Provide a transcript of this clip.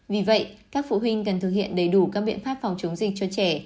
vì vậy các phụ huynh cần thực hiện đầy đủ các biện pháp phòng chống dịch cho trẻ